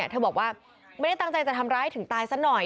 เธอบอกว่าไม่ได้ตั้งใจจะทำร้ายถึงตายซะหน่อย